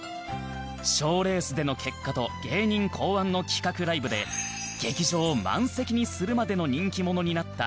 賞レースでの結果と芸人考案の企画ライブで劇場を満席にするまでの人気者になった大宮セブン